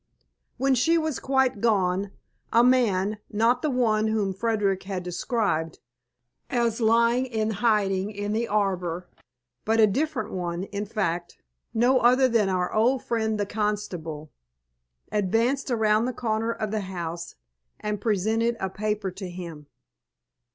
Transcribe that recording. When she was quite gone, a man not the one whom Frederick had described, as lying in hiding in the arbour, but a different one, in fact, no other than our old friend the constable advanced around the corner of the house and presented a paper to him.